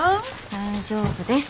大丈夫です。